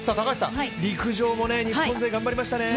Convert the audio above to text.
陸上も日本勢、頑張りましたね。